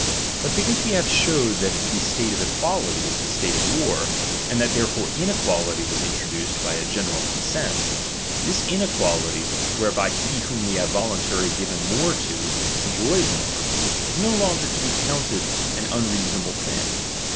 But because we have showed that the state of equality is the state of war, and that therefore inequality was introduced by a gene ral consent ; this inequality, whereby he whom we have vohintarily given more to, enjoys more, is no longer to be accounted an unreasonable thing.